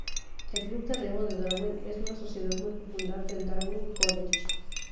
El club de remo del Darwin es una sociedad muy popular del Darwin College.